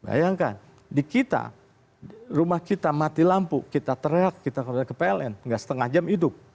bayangkan di kita rumah kita mati lampu kita teriak kita ke pln nggak setengah jam hidup